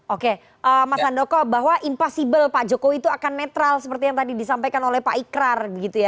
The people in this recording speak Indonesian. oke mas handoko bahwa impossible pak jokowi itu akan netral seperti yang tadi disampaikan oleh pak ikrar gitu ya